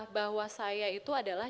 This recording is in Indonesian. bahwa saya itu adalah